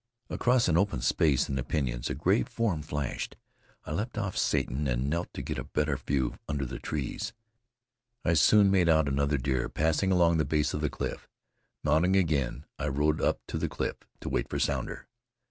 Across an open space in the pinyons a gray form flashed. I leaped off Satan and knelt to get a better view under the trees. I soon made out another deer passing along the base of the cliff. Mounting again, I rode up to the cliff to wait for Sounder.